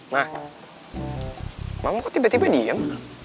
mama kok tiba tiba diem